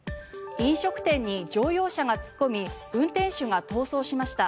飲食店に乗用車が突っ込み運転手が逃走しました。